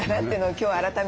今日改めて。